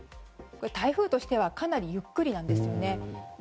台風としてはかなりゆっくりなんですよね。